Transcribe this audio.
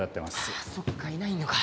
ああそっかいないのか。